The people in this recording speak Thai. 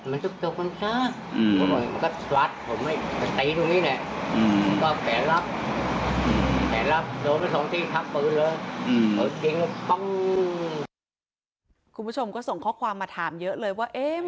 เอ๊ะมันมีกล่องวงตัว